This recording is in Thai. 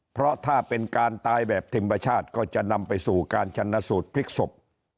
เพราะถ้าเป็นการตายแบบธรรมชาติก็จะนำไปสู่การชนะสูตรพลิกศพ